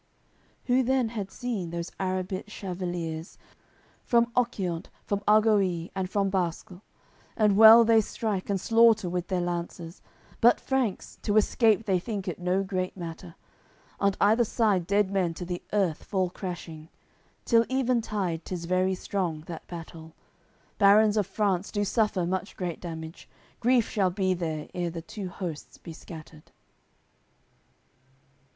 AOI. CCLII Who then had seen those Arrabit chevaliers, From Occiant, from Argoille and from Bascle! And well they strike and slaughter with their lances; But Franks, to escape they think it no great matter; On either side dead men to the earth fall crashing. Till even tide 'tis very strong, that battle; Barons of France do suffer much great damage, Grief shall be there ere the two hosts be scattered.